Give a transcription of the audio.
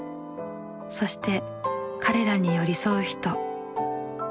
そして彼らに寄り添う人。